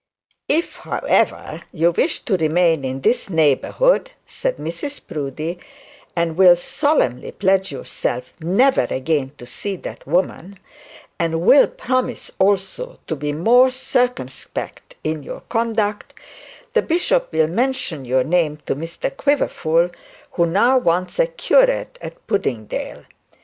'If, however, you wish to remain in this neighbourhood,' said Mrs Proudie, 'and will solemnly pledge yourself never again to see that woman, and will promise also to be more circumspect in your conduct, the bishop will mention your name to Mr Quiverful, who now wants a curate at Puddingdale.